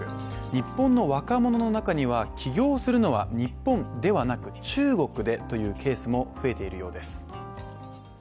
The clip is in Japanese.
日本の若者の中には起業するのは日本ではなく中国でというケースも増えているようです。